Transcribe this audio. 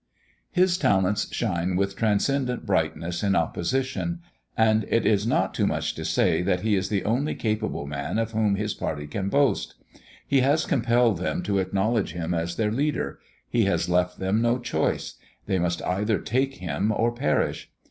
His talents shine with transcendent brightness in opposition; and it is not too much to say, that he is the only capable man of whom his party can boast. He has compelled them to acknowledge him as their leader; he has left them no choice: they must either take him or perish.